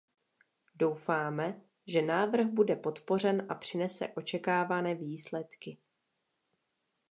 Doufáme, že návrh bude podpořen a přinese očekávané výsledky.